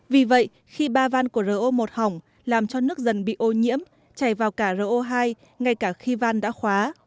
vì vậy khi ba van của ro một hỏng làm cho nước dần bị ô nhiễm chảy vào cả ro hai ngay cả khi van đã khóa